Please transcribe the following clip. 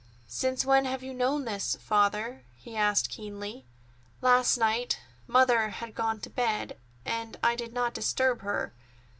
"Since when have you known this, Father?" he asked keenly. "Last night. Mother had gone to bed, and I did not disturb her.